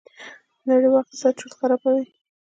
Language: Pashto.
په نړېوال اقتصاد چورت خرابوي.